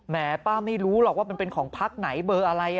ป้าไม่รู้หรอกว่ามันเป็นของพักไหนเบอร์อะไร